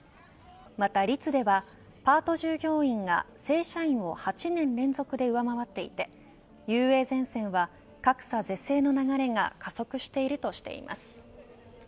また率ではパート従業員が正社員を８年連続で上回っていてＵＡゼンセンは格差是正の流れが加速しているとしています。